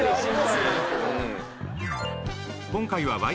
［今回は］